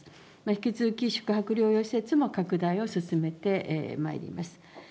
引き続き宿泊療養施設も拡大を進めてまいります。